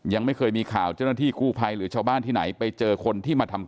ยังไม่เคยมีข่าวเจ้าหน้าที่กู้ภัยหรือชาวบ้านที่ไหนไปเจอคนที่มาทำ